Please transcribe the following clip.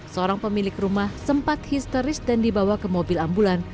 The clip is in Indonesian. seorang pemilik rumah sempat histeris dan dibawa ke mobil ambulan